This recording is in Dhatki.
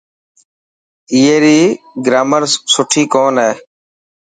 اي ري گرامر سڻي ڪون هي.